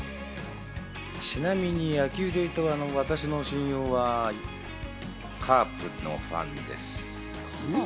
ちなみに野球でいうと私の親友はカープのファンです。